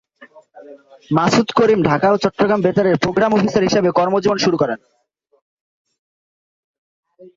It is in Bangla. মাসুদ করিম ঢাকা ও চট্টগ্রাম বেতারে প্রোগ্রাম অফিসার হিসেবে কর্মজীবন শুরু করেন।